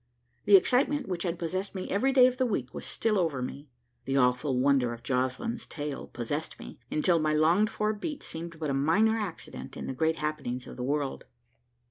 The excitement which had possessed me every day of the week was still over me. The awful wonder of Joslinn's tale possessed me, until my longed for beat seemed but a minor accident in the great happenings of the world.